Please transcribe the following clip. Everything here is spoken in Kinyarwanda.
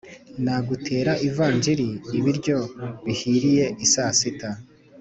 Nagutera ivanjiri-Ibiryo bihiriye isasita.